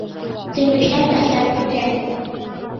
Теҥгечат, тачат уке.